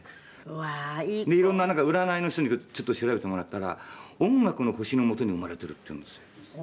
「うわーいい子」「いろんななんか占いの人にちょっと調べてもらったら音楽の星の下に生まれてるっていうんですよ」